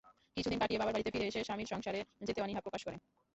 কিছুদিন কাটিয়ে বাবার বাড়িতে ফিরে এসে স্বামীর সংসারে যেতে অনীহা প্রকাশ করে।